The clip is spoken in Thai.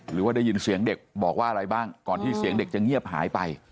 หรือว่าได้ยินเสียงเด็กบอกว่าอะไรบ้างก่อนที่เสียงเด็กจะเงียบหายไป